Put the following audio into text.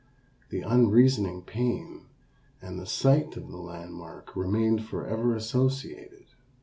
The unreasoning pain and the sight of the landmark remained forever associated.